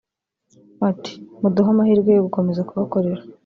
Ati “Muduhe amahirwe yo gukomeza kubakorera